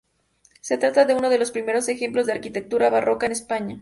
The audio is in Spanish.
Se trata de uno de los primeros ejemplos de arquitectura barroca en España.